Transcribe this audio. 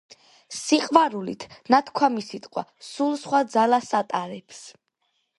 სიყვარულით ნათქვამი სიტყვა სულ სხვა ძალას ატარებს.